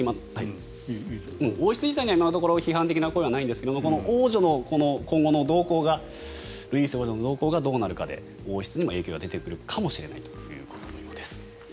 王室自体には今のところ批判的な声はないんですがルイーセ王女の今後の動向がどうなるかで王室にも影響が出てくるかもしれないということのようです。